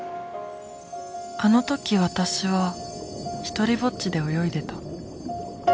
あの時私は独りぼっちで泳いでた。